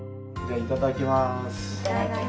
いただきます。